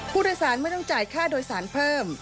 ผู้โดยสารไม่ต้องจ่ายค่าโดยสารเพิ่ม